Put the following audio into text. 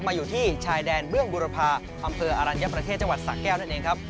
อยู่ที่ชายแดนเบื้องบุรพาอำเภออรัญญประเทศจังหวัดสะแก้วนั่นเองครับ